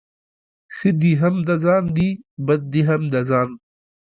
ښه دي هم د ځان دي ، بد دي هم د ځآن.